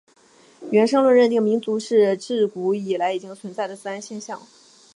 原生论认定民族是至古以来已经存在的自然现象。